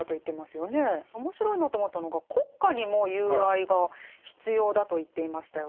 面白いなと思ったのが国家にも友愛が必要だと言っていましたよね。